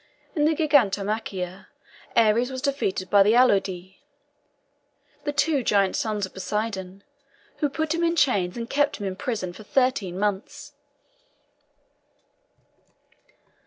In the Gigantomachia, Ares was defeated by the Aloidæ, the two giant sons of Poseidon, who put him in chains, and kept him in prison for thirteen months.